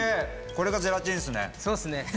これがゼラチンっすね。